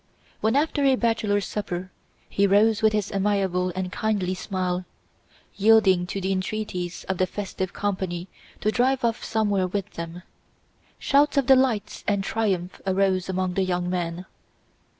When after a bachelor supper he rose with his amiable and kindly smile, yielding to the entreaties of the festive company to drive off somewhere with them, shouts of delight and triumph arose among the young men.